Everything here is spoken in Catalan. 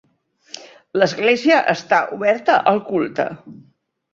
L'església està oberta al culte.